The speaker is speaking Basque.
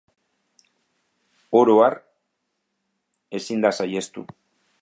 Oro har ezin da saihestu.